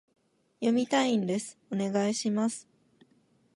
読みたいんです、お願いします